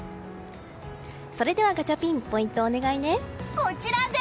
それではガチャピンポイントお願いね。